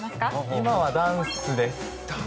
今はダンスです。